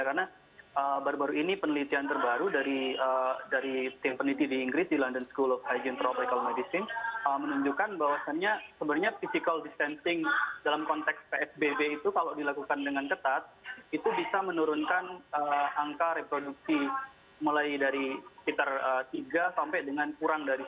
karena baru baru ini penelitian terbaru dari tim peneliti di inggris di london school of hygiene and tropical medicine menunjukkan bahwasannya sebenarnya physical distancing dalam konteks pfbb itu kalau dilakukan dengan ketat itu bisa menurunkan angka reproduksi mulai dari sekitar tiga sampai dengan kurang dari satu